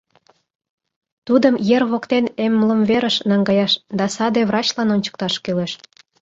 — Тудым ер воктен эмлымверыш наҥгаяш да саде врачлан ончыкташ кӱлеш.